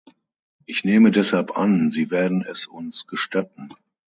Ich nehme deshalb an, Sie werden es uns gestatten.